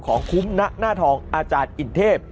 ของคุ้มณหน้าทองอาจารย์อินเทพ